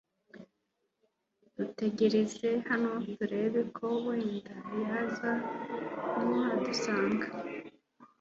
Dutegereze hano turebe ko wenda yaza kuhadusanga .